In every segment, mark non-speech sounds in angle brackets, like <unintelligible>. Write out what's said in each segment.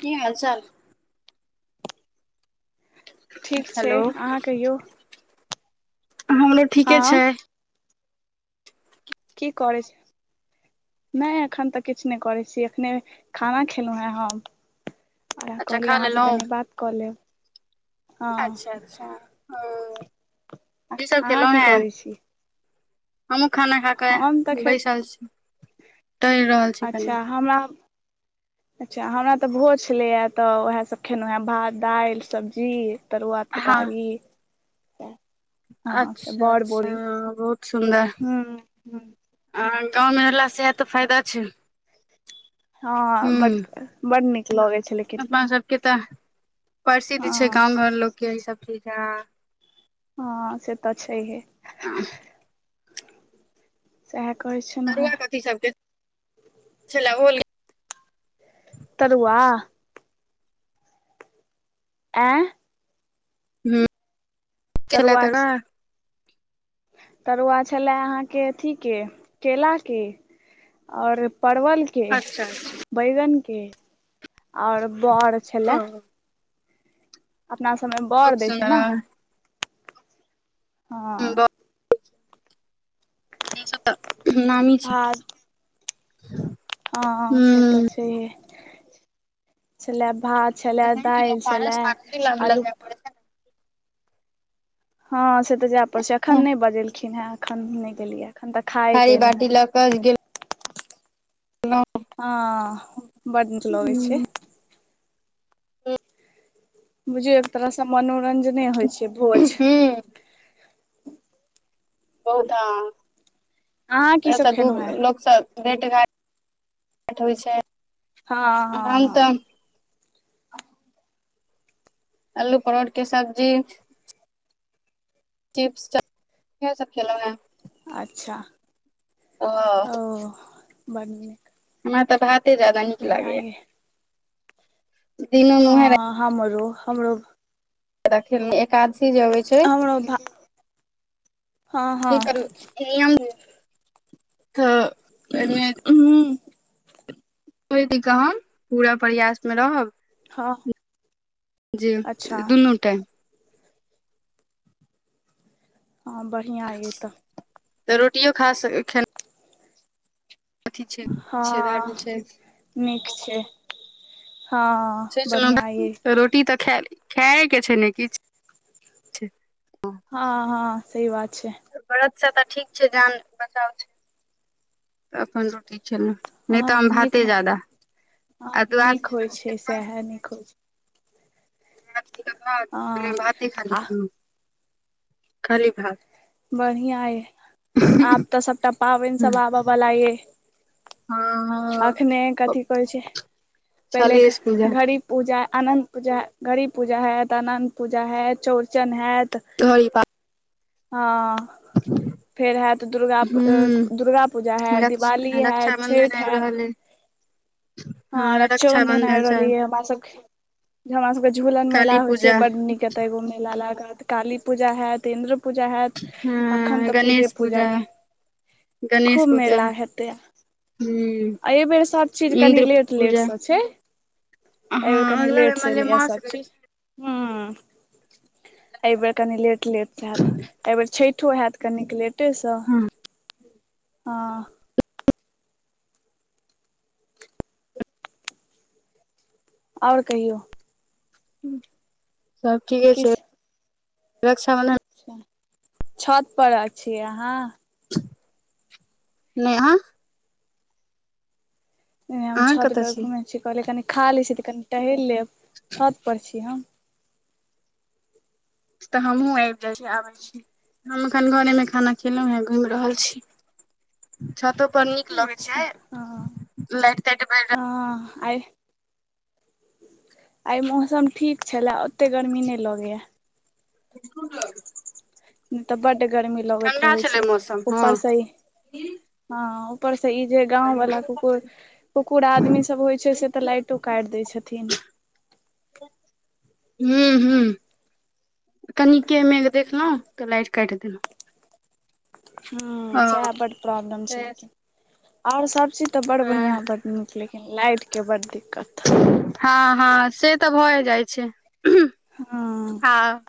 की हाल चाल ठीक छै हेलो अहाँ कहियौ हमरो ठीके हँ छै। की कर छै नै एखन तऽ, किछु नइ करैत छी, एखने खाना खेलहुँ हेँ हम आ अच्छा कहलिय खा अहाँ से कनि लेलहुँ बात कऽ लेब हँ <unintelligible> की सब अहाँ खेलहुँ की हे करै छी हमहु खाना खा कऽ, हम तऽ खे बैसल छी, ट रहल छी कनि अच्छा हमरा <unintelligible> अच्छा हमरा तऽ भोज छलैए तऽ, उएहसभ खेलहुँ हेँ भात दाइल सब्जी तरुआ हँ तरकारी हँ से अच्छा बड़ -अच्छा बोरी बहुत सुन्दर ह हँ गाँवमे रहललासँ इएह तऽ फायदा छै। हँ हूँ बड - बड नीक लगै छलइ अपना सबके तऽ, प्रसिद्ध हँ छै, गाँव घर लोकके ई सब चीज गा हँ से तऽ, छइ है आ सएह कहैत छै तरुआ कथि सबके छले ओल तरुआ आँ <unintelligible> हल त तरुआ गा तरुआ छेला अहाँके अथीके, केलाके। आऔर परवल के, अच्छा बैगन के, ओर बड़ ओ छेला। अपना सम में बर बहुत दै छै सुन्दर नऽ। हूँ हँ बहुत ई सब तऽ नामी छै। हँ हँ से हूँ तऽ छैहे, छेला भात छलै दैल पारस छलै, आरती लाबे ला अल्लू जाय पड़ै छै ने हँ से तऽ जाय पड़े छै। एखन नहि बजेलखिन हें, एखन नहि गेलैय। थारी बाटी लऽ क गेल लौं हँ, बड नीक लऽगै छै। बुझियौ एक तरहसँ मनोरंजने होइ छै भोज। बहुत बहुत अहाँ <unintelligible> की हँस सब दू खेलहुँ हेँ लोक सब भेट घांट होइ छै? हाँ हँ हम हँ तऽ अल्लू परोड़ के सब्जी चिप्स चऽ, इहे सब खेलहुॅं हें। अच्छा ओ बड नीक। हमरा तऽ भाते जादा नीक बढ़िआँ लागे या। ये दिनो मे उहे, राइ हँ हमरो, हमरो तखन एकादसी जेबै हमरो भा हँ हँ की कर <unintelligible> नियम त एहिमे हूँ ओ एति गाम, पूरा प्रयासमे रहब। हँ जी अच्छा दुनू टाइम हँ बढ़िआँ ये तऽ तऽ रोटियो खा स, खेला छै धर्म हँ छै नीक छै। हँ सोचलहु न बढ़िआँ ये तऽ रोटी तऽ खऽ, खाएके छै ने किछु। हँ हँ सही बात छै। बरत स तऽ ठीक छै जान बचाव छै। त अपन रोटी खेलों। नै हँ तऽ हम नीक भाते जादा। आ द्वादसी क वैह निक होइ छै। मछली क भात, हँ भाते खा लै आ छी दूनू। खाली भात बढ़िया ऐ, आब तऽ सबटा पाबैन सब आबऽ बला ये। हँ अखने कथी कहै छै। पहिले सलेश घड़ी, पूजा घड़ी पूजा अनन्त, पूजा घड़ी पूजा हेत, अनन्त पूजा हेत, चौरचन हैत। घड़ी पा हँ ह फेर हए तऽ दुर्गा पू दुर्गा पूजा हैत रक्ष दिवाली हैत रक्षाबंधन छठि आबि रहल हैत। अइ हँ रक्षाबंधन अरल है ब सबबके। जे हमरा सबके झूलन मेला काली होइ छै पूजा बड नीक एत ए घू मेला लागत काली पूजा हयत इंन्द्र पूजा होयत हँ अखन तऽ पूजे पूजा य। गणेश खूब पूजा मेला हेतै हूं एहिबेर सब चीज कनि इन्द्र लेट पूजा लेटसँ छै एहिबर हँ कनि अगिला बेर लेटसँ एलैय मलेमास सभ भेल चीज। हूँ अइ बैर कनी लेट न लेट से हयत एहिबेर छठो होयत कनिक लेटे से। हँ हँ ओर कहियौ? सब ठीके छै रक्षाबन्धन ् छत पर छी अहाँ। नहि अहॉ हम अहाँ छत कतऽ पर घुम छी कहले कनि खा लै छी तऽ कनि टहल लेब छत पर छी हम तऽ हमहुँ आबि जाइ छी आबै छी। हम अखन घरे मे खाना खेलहुं हे घुमि रहल छी। छतो पर नीक लगे अच्छा छै हँ लाइट ताट बढ़ रहल। हँ आइ आइ मौसम ठीक छलए ओते गर्मी नहि लगैया। उड <unintelligible> तऽ बड्ड गर्मी लगैत रहै छै मौसम हँ ऊपरसँ ही। हँ ऊपर से ई जे गाँंव ला कुकुर कुकुड़ आदमी सब होइ छै से तऽ लाइटो काटि दय छथिन। <unintelligible> ह ह ह कनिके मेघ देखलहुँ तऽ लाइट काटि देलहुँ। ह ओ सएह बड प्रॉब्लम से छै। आओर सब? सी तऽ बड़ड बढ़िआँ बड़ड नीक लेकिन लाइटके बड दिक्कत। हँ हँ से तऽ भए जाइ छै उहू। हँ ह <unintelligible>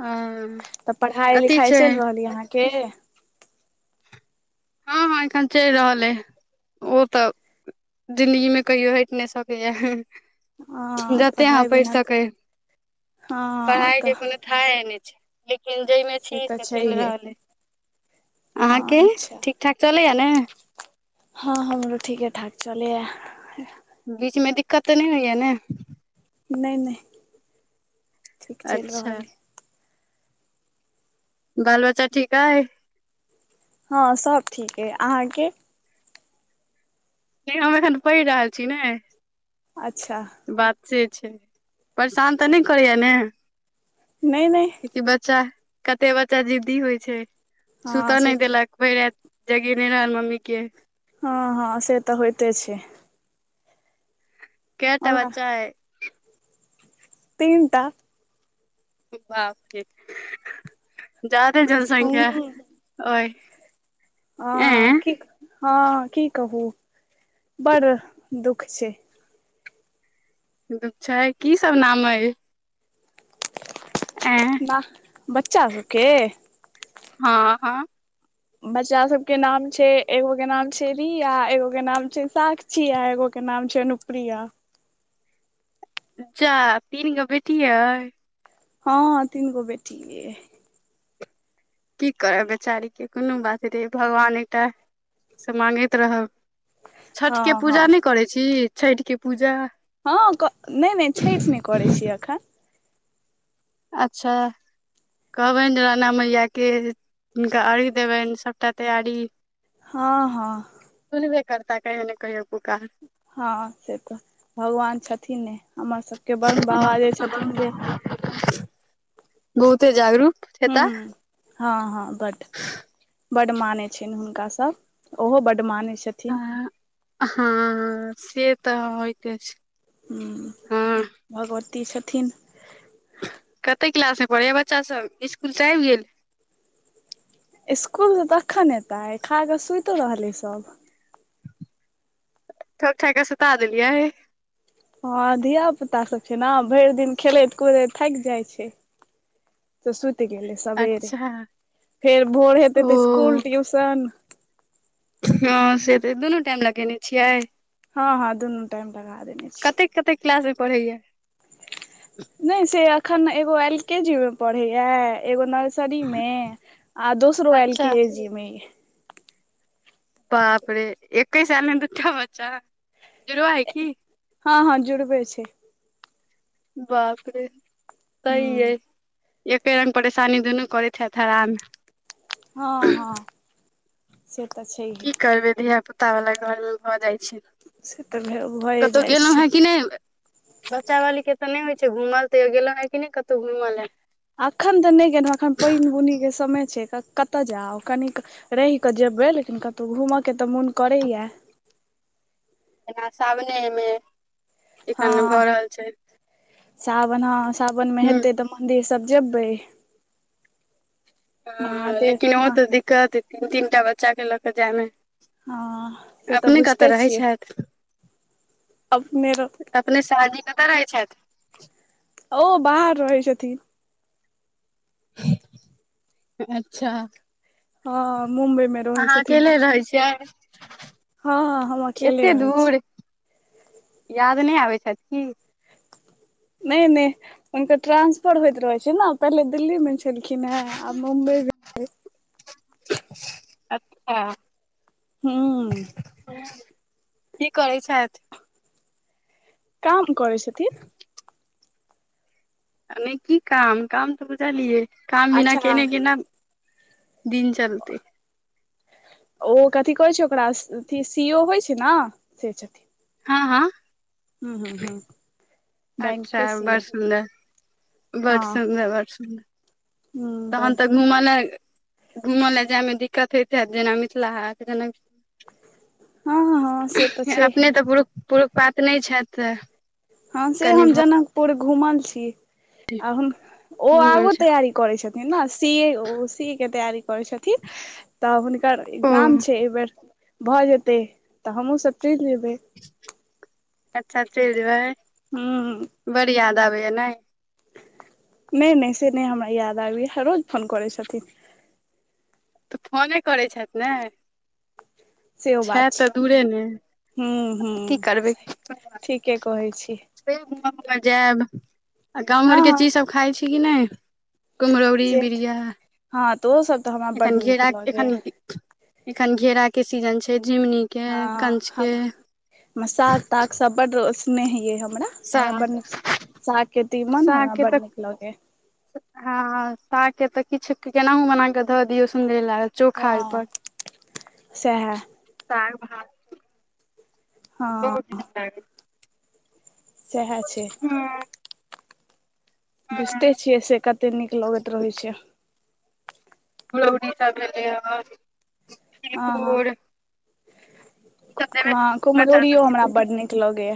ह तऽ पढ़ाइ लिखाइ चलि रहल य अहाँके? हँ हँ एखन चलि रहल अइ ओ तऽ जिन्दगीमे कहिो हटि नहि सकैए। हँ जते अहाँ पढ़ाइ पढ़ि बिना सकै हँ तऽ पढ़ाइके कोनो था नहि छै। लेकिन जाहिमे छी तऽ से चलि छैहे रहल अइ। अहाँके हँ अच्छा ठीक ठाक चलैया ने? हँ हमरो ठीके ठाक चलैय। बीच मे दिक्कत तऽ नहि होइया ने? नहि नहि ठीक चलि अच्छा रहल। बाल बच्चा ठीक अई? हँ सब ठीक हइ। अहाँके? नहि हम एखन पढ़ि रहल छी ने। अच्छा बात से छै परेशान तऽ नहि करैया ने? नै नै कते बच्चा, कते बच्चा जिद्दी होइ छै हँ सुतऽ से नहि तऽ देलक। भैर रात जगेने रहल मम्मी के। हँ हँ से तऽ होइते छै। कै टा हमरा बच्चा अई। तीनटा। बापरे जादे जनसंख्या हूँ अई। आह ह हँ की कहू बड़ दुःख छै। <unintelligible> छै की सब नाम अइ? एं। वाह, बच्चा सबके? हँ हं। बच्चा सब के नाम छै एगो के नाम छै रिया एगो के नाम छै साक्षी छै एगो के नाम छै अनुप्रिया। जा तीन गो बेटिये अई। हँ तीन गो बेटिये अइ। की करब बेचारीे के कोनो बात नै भगवान एकटा से माँगैत रहू। छठिके हँ हँ पूजा नहि करै छी छठिके पूजा। हँ, नै नै छठि नहि करैत छी अखैन। अच्छा। कहबनि जे राणा मैइयाके हुनका अर्घ्य देबनि सभटा तैयारी हँ हँ। सुनबे करता कहियो ने कहियो पुकार। हँ हँ से तऽ भगवान छथिने, हमर सबके ब्रह्मबाबा जे छथिन से बहुते जागरूक। हेता हुं, हँ हँ बड। बड मानै छनि हुनका सभ, ओहो बड मानै छथिन। हँ से तऽ होइते छै। हुं भगवती छथिन। कते क्लास मे पढ़ैये बच्चा सब, स्कूल से आबि गेल? इसकुल सं अखन एतै खाकऽ सुति रहलै सभ। ठोकि ठाकि के सुता देलियै। हँ धिया पुता सब छै ने भरि दिन खेलैत कुदैत थाकि जाइत छै। तऽ सुति गेलै सबेरे, अच्छा फेर भोर हेतै तऽ ओ स्कुल ट्यूशन हँ से तऽ दुनू टाइम लगेने छियै। हँ हं दुनु टाइम लगा देने छियै। कतेक कतेक क्लास मे पढ़ैये। नहि से अखन एगो एल के जी में पढ़ैये, एगो नर नसरीमे आ दोसरो एल अच्छा के जी मे अछि। बाप रे एके साल में दूटा बच्चा, जुड़आ अइ कि? हँ हँ जुड़बे छै। बाप रे, तैं यै। ह एके रंग परेशानी दुनू करैत हेत हरान। हँ हँ, से त छै। की करबै धिया पुता बला घर मे भ जाइ छै। से तऽ भए भए कतहु जाइ गेलहुँ छै हें कि नै? बच्चा बाली के त नय होय छै घूमल तयो गेंल है कि नइ कतउ घूम ले। एखन त नई गेल एखन पइन बुनिके समय छै क कतय जाउ कनिक, रहि क जेबै लेकिन कतउ घूमयके त मोन करैया। जेना सावनेमें, हँ सावनाह सावन मे हूँ हेतै त मंदिर सब जेबै। हँ महादेव लेकिन आहा म त दिक्कत तीन तीन टा बच्चाकेँ ल क जायमें। हँ से तऽ अपने कत बुझिते रहै छियै छैथ। अपने रो, अपने शादीमे क रहै छैथ। ओ बाहर रहै छथिन। अच्छा। हँ मुम्बई मे रहै अहाँ छथिन ओ अकेले रहै छियै। हँ हँ हम अकेले एते रहै छी दूर याद नै आबै छैथ की। नै नै, हुनकर ट्रांसफर होएत रहे छै ना पहिले दिल्ली मे छलखिन हे आब मुम्बई में। अच्छा। हूं। की करै छैथ। काम करै छथिन। नय की काम काम त बुझलियए काम बिना अच्छा केने केना दिन, तैलतै। ओ कथी कहै छै ओकरा सी ओ होए छै ना से छथिन। हां-हां। हूं-हूं-हूं। अच्छा बड़ सुन्दर बड़ हँ सुन्दर बड़ सुन्दर। तहन हँ त घूम में घूम में जैमे दिक्कत होइत हैत जेना मिथिला हाट जनक, हँ हँ से तऽ छैहे अपने त पुरु पुरुख पात नई छैथ। हँ से हम जनकपुर घुमल छी आ हुन -ओ घुमल आगो छै तैयारी, करै छथिन न सी ए वो सी ए के तैयारी करै छथिन त हुंन, कर ओ एग्जाम छै ए बेेर भ जेतै त हमहुँ सब चैल जेबै। अच्छा चएल जेबै। हम्म। बड़ याद आबैया नैय। नैय नैय से नै हमरा याद आबैये रोज फोन कोरै छथिन। तऽ फोने करैय छैत नै। सेहो बात छै दूरे ने हं हं की ठीके कहै छी। फेर घूमवो ले जेब आ गांव हँ घरके हँ चीज सब खाइ छी कि नैय, कुम्हरौरी से बिड़िया हँ तऽ ओसभ तऽ हमरा बड्ड एखन नीक घेरा लगैए एखन, एखन घेरा के सीजन छै झिंमनी के कंच के। मसाक टाक सब बड स्नेह ये मैना। हमरा बड साग निक साग के तीमन हमरा बड़ नीक लगे। हं-हं सागके त किछु केनाहु बना के ध दियौ सुन्दरे लागल। हँ सैहै। <inaudible> हँ <inaudible> सेहे छैय हँ हँ बुझिते छियै से कतै नीक लगैत रहै छै रौदी सब भेलै अछि हँ हॅ सब देबै ह बच्चा कुमहरोरियो सबके हमरा बड नीक लगये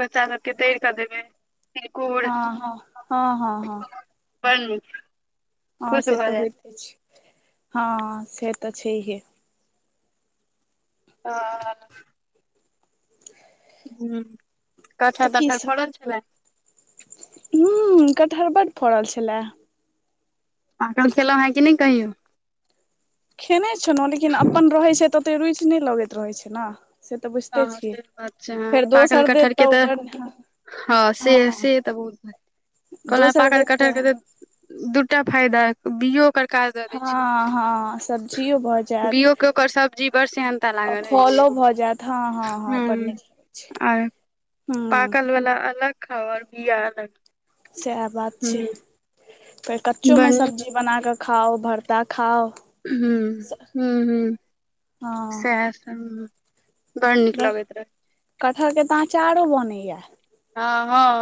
बच्चा सबके तैर कऽ देबै तिलकुर ह हँ हँ हँ हँ बड़ नीक हँ खुश से भऽ तऽ जायत होइते छै हँ से तऽ छइहे हऽ हू कटहर-तटहर फड़ल छलै हुऊ कटहर बड फड़ल छलै पाकल खेलौ है कि नय कहियौ खेने छलौ लेकिन अपन रहै छै तऽ ओते रुचि नहि लगैत रहै छै नऽ से तऽ बुझिते हँ छियै से बात छै हँ फेर पाकल दोसर कटहर देत के त ओ तऽ बढ़िया हँ से से तऽ बहुत कहलों है दोसर पाकल देत कटहर के तऽ दूटा फायदा बियो ओकर काज दऽ दए छै हँ हँ सब्जियो भऽ जायत बिओ के ओकर सब्जी बड़ सेह आ फलो भऽ जैत हँ हँ हँ बड हूँ नीक लगै छै आर हूँ पाकल बला अलग खाऊ आर बिआ अलग सेह बात छै हूँ कोई कच्चो बड़ मे नीक सब्जी बना कऽ खाउ भर्ता खाउ हु हु हु हँ सेह सब बड़ निक लगेत रहे कटह के तऽ अचारो बनैया हँ हँ